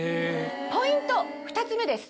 ポイント２つ目です。